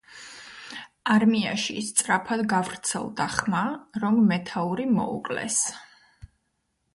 არმიაში სწრაფად გავრცელდა ხმა, რომ მეთაური მოუკლეს.